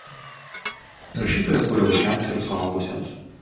Rašytoja kūrė vaikams ir suaugusiems.